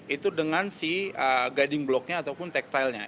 itu dengan guiding block nya ataupun tactile nya